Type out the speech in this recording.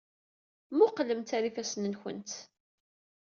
Mmuqqlemt ɣer yifassen-nwent.